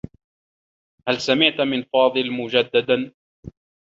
هل سمعت من فاضل مجدّدا؟